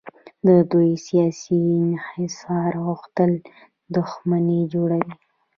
د دوی سیاسي انحصار غوښتل دښمني جوړوي.